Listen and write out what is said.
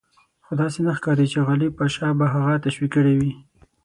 خو داسې نه ښکاري چې غالب پاشا به هغه تشویق کړی وي.